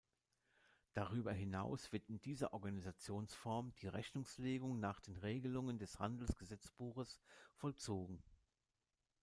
Darüber hinaus wird in dieser Organisationsform die Rechnungslegung nach den Regelungen des Handelsgesetzbuchs vollzogen.